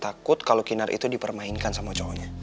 takut kalau kinar itu dipermainkan sama cowoknya